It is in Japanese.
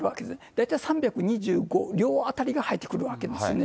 大体３２５両あたりが入ってくるわけですね。